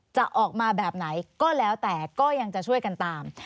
จะออกมาแบบไหนก็แล้วแต่ก็ยังจะช่วยกันตาม